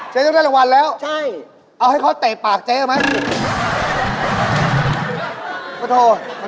เจ๊ต้องได้รางวัลแล้วเอาให้เขาเตะปากเจ๊ได้ไหมใช่